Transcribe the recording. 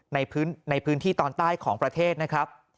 ในพื้นที่ตอนใต้ของประเทศนะครับ